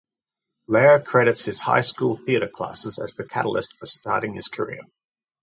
Lehre credits his high school theatre classes as the catalyst for starting his career.